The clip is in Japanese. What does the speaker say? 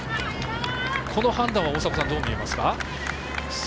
この判断は大迫さん、どう見ますか？